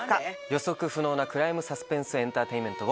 予測不能なクライムサスペンスエンターテインメントを。